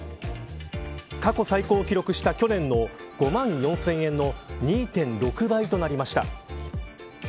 過去最高を記録した去年の、５万４０００円の２．６倍となりました。